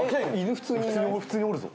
普通におるぞ。